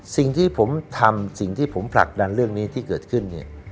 สิ่งที่ผมทำสิ่งที่ผมผลักดันเรื่องนี้ที่เกิดขึ้นเนี่ย